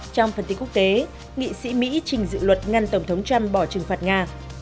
trong phần tin quốc tế nghị sĩ mỹ trình dự luật ngăn tổng thống trump bỏ trừng phạt nga